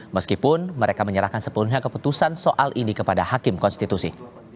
meskipun mereka menyerahkan sepenuhnya keputusan soal ini kepada hakim konstitusi